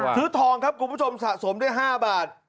ซื้อทองครับกลุ่มผู้ชมสะสมด้วย๕บาท